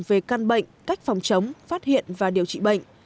về căn bệnh cách phòng chống phát hiện và điều trị bệnh